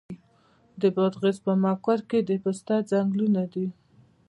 د بادغیس په مقر کې د پسته ځنګلونه دي.